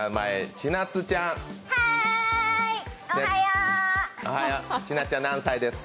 千夏ちゃん何歳ですか？